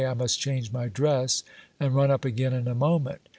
I must change my dress, and run up again in a moment